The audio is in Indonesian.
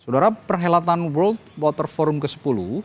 saudara perhelatan world water forum ke sepuluh